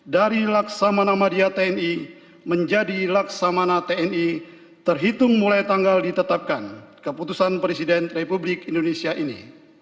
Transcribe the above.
dari laksamana madia tni menjadi laksamana tni terhitung mulai tanggal ditetapkan keputusan presiden republik indonesia ini